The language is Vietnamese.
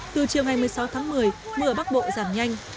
từ chiều ngày một mươi sáu tháng một mươi mưa ở bắc bộ giảm nhanh